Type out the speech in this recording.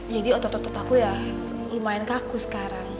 jadi otot otot aku ya lumayan kaku sekarang